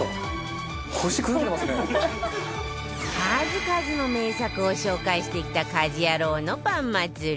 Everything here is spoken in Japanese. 数々の名作を紹介してきた『家事ヤロウ！！！』のパンまつり